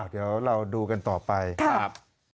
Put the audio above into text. เดี๋ยวเราดูกันต่อไปครับ